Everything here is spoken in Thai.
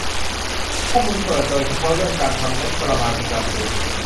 ข้อมูลเปิดโดยเฉพาะเรื่องการทำงบประมาณประจำปี